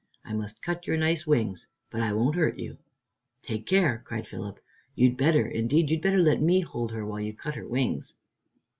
I must cut your nice wings, but I won't hurt you." "Take care!" cried Philip, "you'd better, indeed you'd better let me hold her, while you cut her wings."